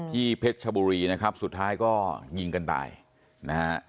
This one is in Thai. เพชรชบุรีนะครับสุดท้ายก็ยิงกันตายนะฮะ